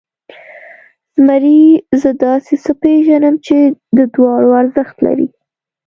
زمري، زه داسې څه پېژنم چې د دواړو ارزښت لري.